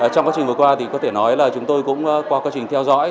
trong quá trình vừa qua thì có thể nói là chúng tôi cũng qua quá trình theo dõi